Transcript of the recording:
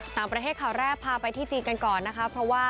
ตามประเภทข่าวแรกพาไปที่จีนกันก่อนนะคะ